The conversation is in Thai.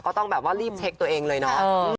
ก็ต้องแบบว่ารีบเช็คตัวเองเลยเนาะ